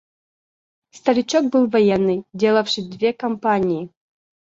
Старичок был военный, делавший две кампании.